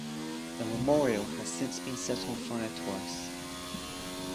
This memorial has since been set on fire twice.